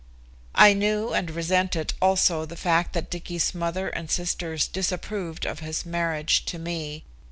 I knew and resented also the fact that Dicky's mother and sisters disapproved of his marriage to me.